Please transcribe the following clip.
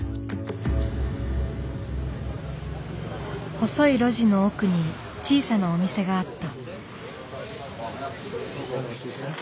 細い路地の奥に小さなお店があった。